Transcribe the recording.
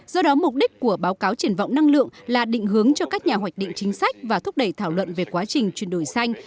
do đó mục đích của báo cáo triển vọng năng lượng là định hướng cho các nhà hoạch định chính sách và thúc đẩy thảo luận về quá trình chuyển đổi xanh